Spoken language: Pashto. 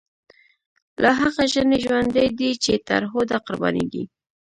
لا هغه ژڼۍ ژوندۍ دی، چی تر هوډه قربانیږی